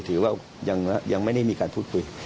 ถือว่ายังไม่ได้มีการพูดคุย